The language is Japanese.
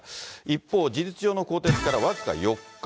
一方、事実上の更迭から僅か４日。